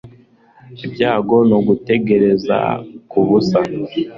ibyago nukugutegereza kubusa